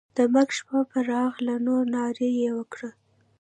د مرګ شپه پر راغله نو ناره یې وکړه.